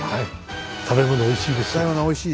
食べ物おいしいですし。